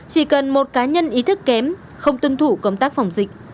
chỉ cần một cá nhân ý thức kém không tuân thủ công tác phòng dịch